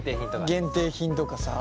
限定品とかさ。